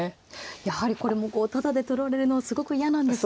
やはりこれもタダで取られるのはすごく嫌なんですが。